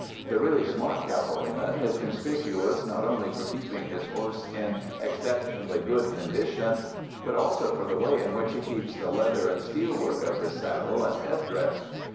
The really smart cavalryman is conspicuous not only for keeping his horse in exceptionally good condition, but also for the way in which he keeps the leather and steel work of his saddle and head dress.